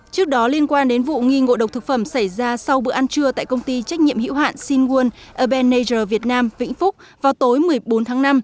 trước đó liên quan đến vụ nghi ngộ độc thực phẩm xảy ra sau bữa ăn trưa tại công ty trách nhiệm hữu hạn shinwon ở ben nature việt nam vĩnh phúc vào tối một mươi bốn tháng năm